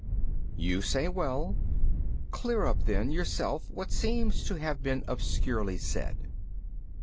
B. You say well: clear up then yourself what seems to have been obscurely said.